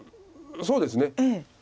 そうですね。